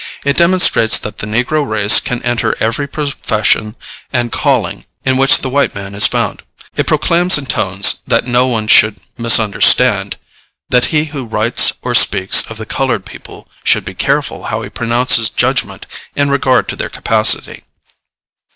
It demonstrates that the negro race can enter every profession and calling in which the white man is found. It proclaims in tones that no one should misunderstand, that he who writes or speaks of the colored people should be careful how he pronounces judgment in regard to their capacity.